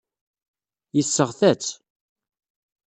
Yesseɣta-tt.